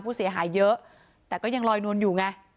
เสียหายเยอะแต่ก็ยังลอยนวลอยู่ไง